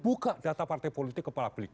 buka data partai politik kepada publik